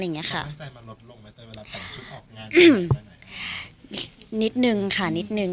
นิดนึงค่ะนิดนึง